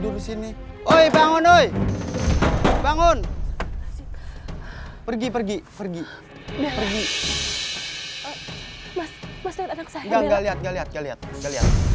aku cuma pengen tahu aja